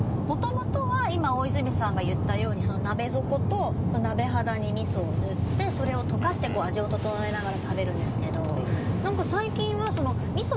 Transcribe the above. もともとは今大泉さんが言ったようにその鍋底と鍋肌にみそを塗ってそれを溶かして味を調えながら食べるんですけど何か。